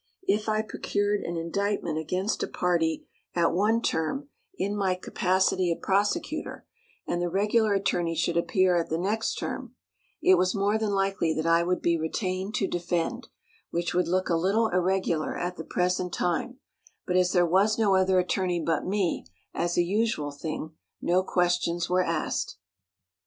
If I procured an indictment against a party at one term, in my capacity of prosecutor, and the regular attorney should appear at the next term, it was more than likely that I would be retained to defend; which would look a little irregular at the present time, but as there was no other attorney but me, as a usual thing, no questions were asked.